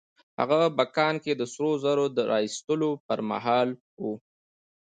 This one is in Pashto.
هغه په کان کې د سرو زرو د را ايستلو پر مهال وه.